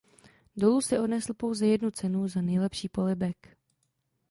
Domů si odnesl pouze jednu cenu za nejlepší polibek.